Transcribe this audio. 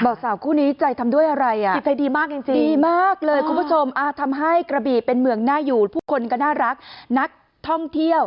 บ่าวสาวคู่นี้ใจทำด้วยอะไร